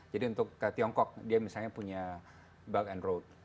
jadi untuk tiongkok dia misalnya punya bug and road